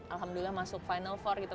alhamdulillah masuk final for gitu